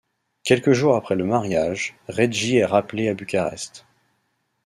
Quelques jours après le mariage, Reggie est rappelé à Bucarest.